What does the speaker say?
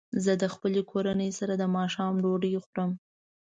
زه د خپلې کورنۍ سره د ماښام ډوډۍ خورم.